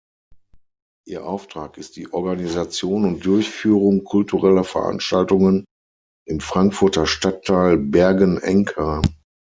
Ihr Auftrag ist die Organisation und Durchführung kultureller Veranstaltungen im Frankfurter Stadtteil Bergen-Enkheim.